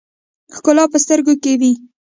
ښکلا په سترګو کښې وي